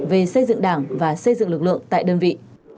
về xây dựng đảng và xây dựng lực lượng tại đơn vị